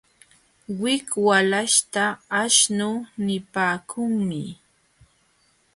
Wik walaśhta aśhnu nipaakunmi.